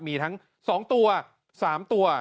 มีทั้ง๒ตัว๓ตัว